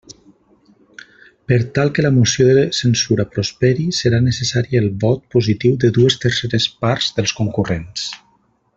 Per tal que la moció de censura prosperi, serà necessari el vot positiu de dues terceres parts dels concurrents.